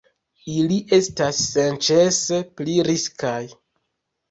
Ili estas senĉese pli riskaj.